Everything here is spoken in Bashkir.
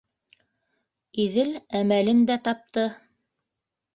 Иҙел әмәлен дә тапты.